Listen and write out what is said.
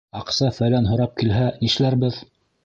Аҡса-фәлән һорап килһә, нишләрбеҙ?